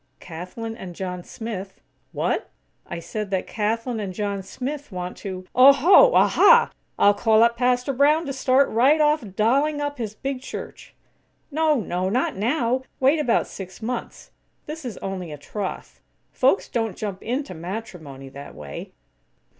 "Kathlyn and John Smith, " "What?" "I said that Kathlyn and John Smith want to " "Oho! Aha!! I'll call up Pastor Brown to start right off dolling up his big church!" "No, no! Not now! Wait about six months. This is only a troth. Folks don't jump into matrimony, that way."